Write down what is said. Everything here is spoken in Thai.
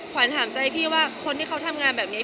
ขวัญถามใจพี่ว่าคนที่เขาทำงานแบบนี้